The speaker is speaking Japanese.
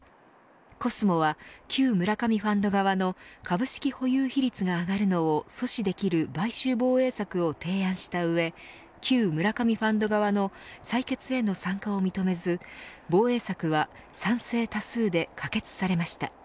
コスモは、旧・村上ファンド側の株式保有比率が上がるのを阻止できる買収防衛策を提案した上旧・村上ファンド側の採決への参加を認めず防衛策は賛成多数で可決されました。